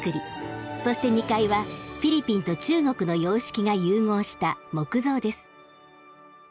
そして２階はフィリピンと中国の様式が融合した木造です。